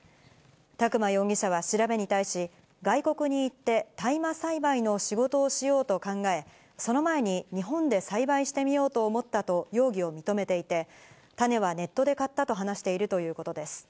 宅間容疑者は調べに対し、外国に行って、大麻栽培の仕事をしようと考え、その前に日本で栽培してみようと思ったと容疑を認めていて、種はネットで買ったと話しているということです。